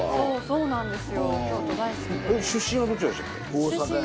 そうなんです。